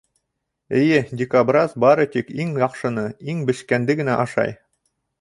Эйе, дикобраз бары тик иң яҡшыны, иң бешкәнде генә ашай.